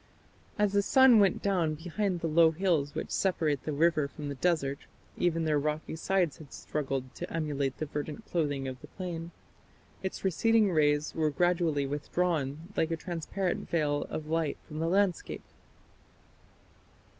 As the sun went down behind the low hills which separate the river from the desert even their rocky sides had struggled to emulate the verdant clothing of the plain its receding rays were gradually withdrawn, like a transparent veil of light from the landscape.